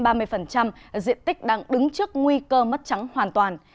diện tích đang đứng trước nguy cơ mất trắng hoàn toàn